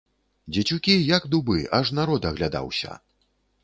Дзецюкі, як дубы, аж народ аглядаўся.